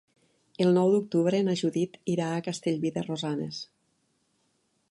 El nou d'octubre na Judit irà a Castellví de Rosanes.